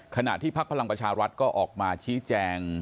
ขณะที่พรรภ์พลังประชารัฐก็ออกมาชี้แจง